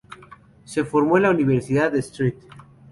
Se formó en la Universidad de St.